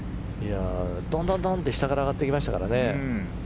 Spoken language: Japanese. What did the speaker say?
どんどんどんと下から上がってきましたからね。